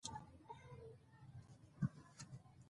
دې کتاب پراخ نړیوال شهرت ترلاسه کړی دی.